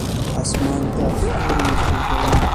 اسمان ته ستوري خیژوم